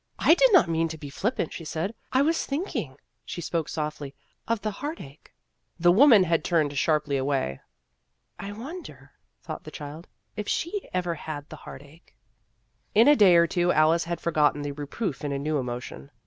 I did not mean to be flippant," she said ;" I was thinking," she spoke softly, " of the heart ache." The woman had turned sharply away. " I wonder," thought the child, " if she ever had the heartache." In a day or two Alice had forgotten the reproof in a new emotion.